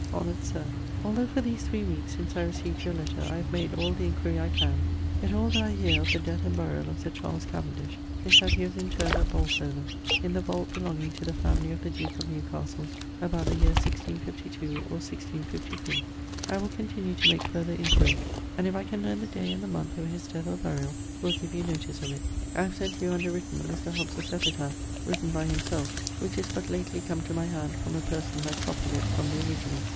Honoured Sir, Although for these three weekes, since I receaved your letter, I have made all the enquiry I can, yet all that I hear of the death and buriall of Sir Charles Cavendish is that he was interred at Bolsover in the vault belonging to the family of the duke of Newcastle about the year 1652 or 1653. I will continue to make further inquiry, and if I can learne the day and the month of his death or buriall will give you notice of it. I have sent you underwritten Mr. Hobbes's epitaph written by himselfe, which is but lately come to my hand from a person that copyed it from the originall.